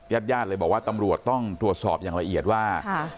ญาติญาติเลยบอกว่าตำรวจต้องตรวจสอบอย่างละเอียดว่า